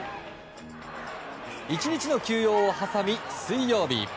１日の休養を挟み、水曜日。